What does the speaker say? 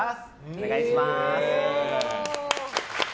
お願いします。